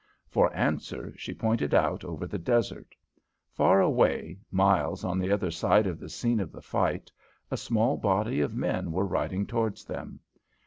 For answer she pointed out over the desert. Far away, miles on the other side of the scene of the fight, a small body of men were riding towards them.